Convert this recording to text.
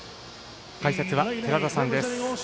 解説は寺田さんです。